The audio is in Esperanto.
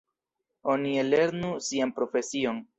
Oni ellernu sian profesion.